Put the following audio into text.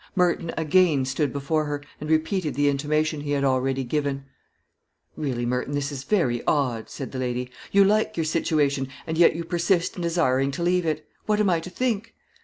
Merton again stood before her, and repeated the intimation he had already given. "Really, Merton, this is very odd," said the lady. "You like your situation, and yet you persist in desiring to leave it. What am I to think?"